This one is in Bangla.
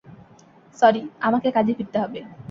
সরি, আমাকে কাজে ফিরতে হবে।